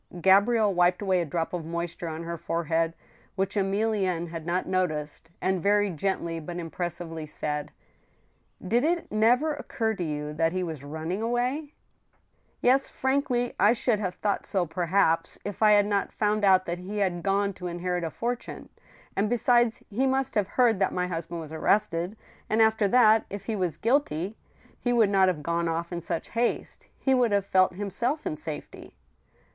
Gabrielle wiped away a drop of moisture on her forehead, which Emilienne had not noticed, and very gently but impressively said :" Did it never occur to you that he was running away ?"*• Yes, frankly, I should have thought so, perhaps, if I had not found out that he had gone to inherit a fortune ; and, besides, he must have heard that my husband was arrested, and after that, if he < was guilty, he would not have gone off in such haste. He would have felt himself in safety."